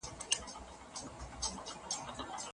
ګډ افتخار د ملت د قوت سبب دی.